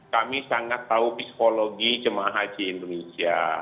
kami sangat tahu psikologi jemaah haji indonesia